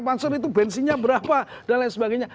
pansel itu bensinnya berapa dan lain sebagainya